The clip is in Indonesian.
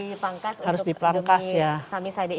yang harus dipangkas untuk demi samisade ini ya